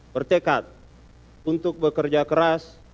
bertekad untuk bekerja keras